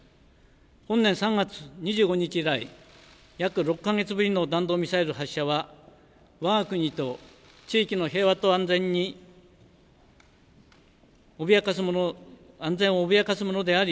本年３月２５日以来、約６か月ぶりの弾道ミサイル発射はわが国と地域の平和と安全に、安全を脅かすものである。